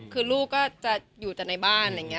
คือลูกก็จะอยู่ในบ้าน